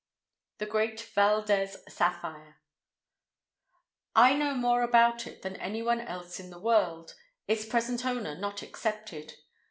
The Great Valdez Sapphire I know more about it than anyone else in the world, its present owner not excepted.